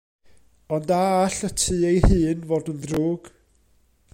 Ond a all y tŷ ei hun fod yn ddrwg?